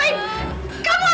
astaga kamu diapain